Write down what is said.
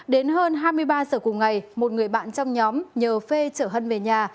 đến hơn hai mươi ba giờ cùng ngày một người bạn trong nhóm nhờ phê chở hân về nhà